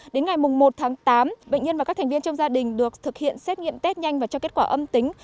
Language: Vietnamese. đến ngày một tháng tám bệnh nhân và các thành viên trong gia đình được thực hiện xét nghiệm test nhanh và cho kết quả âm tính